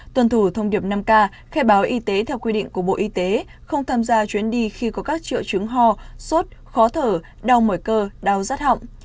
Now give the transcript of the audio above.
tuần thủ thông điệp năm k khai báo y tế theo quy định của bộ y tế không tham gia chuyến đi khi có các triệu chứng ho sốt khó thở đau mở cơ đau rắt họng